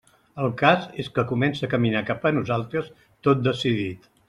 El cas és que comença a caminar cap a nosaltres tot decidit.